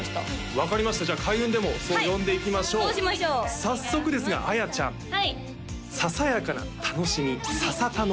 分かりましたじゃあ開運でもそう呼んでいきましょう早速ですが綾ちゃんはいささやかな楽しみ「ささたの」